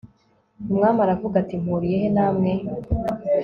umwami aravuga ati mpuriye he namwe